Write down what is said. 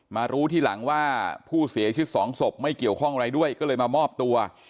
มารู้ทีหลังว่าผู้เสียชีวิตสองศพไม่เกี่ยวข้องอะไรด้วยก็เลยมามอบตัว